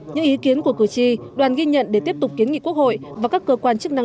những ý kiến của cử tri đoàn ghi nhận để tiếp tục kiến nghị quốc hội và các cơ quan chức năng